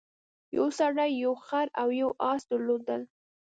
یو سړي یو خر او یو اس درلودل.